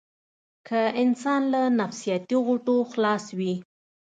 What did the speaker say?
که انسان له نفسياتي غوټو خلاص وي.